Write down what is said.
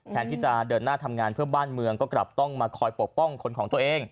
แทนที่จะเดินหน้าทำงานเพื่อบ้านเมืองก็กลับต้องมาคอยปกป้องคนของตัวเอง